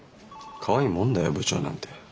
かわいいもんだよ部長なんて。